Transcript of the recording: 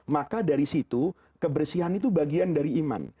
maka dari situ kebersihan itu bagian dari iman